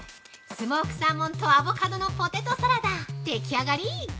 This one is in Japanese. スモークサーモンとアボカドのポテトサラダ出来上がり！